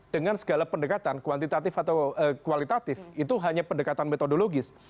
dengan segala pendekatan kuantitatif atau kualitatif itu hanya pendekatan metodologis